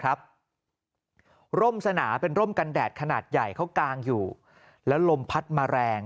ร่มสนาเป็นร่มกันแดดขนาดใหญ่เขากางอยู่แล้วลมพัดมาแรง